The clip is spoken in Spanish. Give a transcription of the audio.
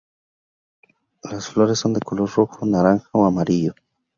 Las flores son de color rojo, naranja o amarillo.